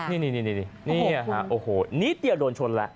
นี่นี่เนี่ยค่ะโอ้โหนี้เตี๋ยวโดนชนแล้ว